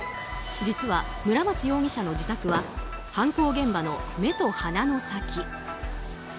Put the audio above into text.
実は、村松容疑者の自宅は犯行現場の目と鼻の先。